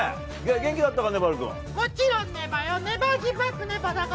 元気だったか？